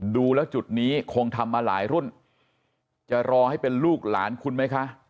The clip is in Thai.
ดูแล้วจุดนี้คงทำมาหลายรุ่นจะรอให้เป็นลูกหลานคุณไหมคะ